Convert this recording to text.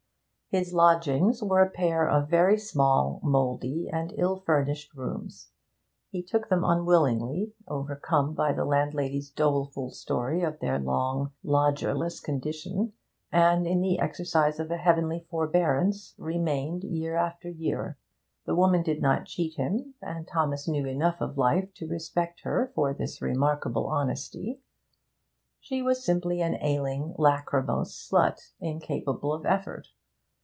His lodgings were a pair of very small, mouldy, and ill furnished rooms; he took them unwillingly, overcome by the landlady's doleful story of their long lodgerless condition, and, in the exercise of a heavenly forbearance, remained year after year. The woman did not cheat him, and Thomas knew enough of life to respect her for this remarkable honesty; she was simply an ailing, lachrymose slut, incapable of effort.